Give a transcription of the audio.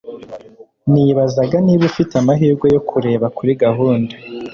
nibazaga niba ufite amahirwe yo kureba kuri gahunda